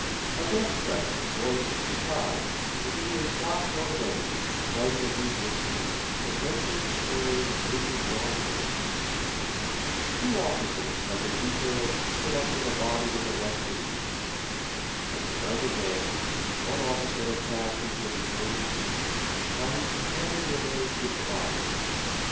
A guest present voiced his sur prise that neither Scott nor Dendie, writing of these mysteries, had mentioned the story of Major Blomberg. Two officers had been detailed to sit up with a body 292 The Astor Library in the West Indies. As the night advanced, one officer had passed into an adjoining room, while his compan ion remained with the body.